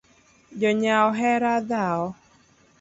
Jonyao ohero dhao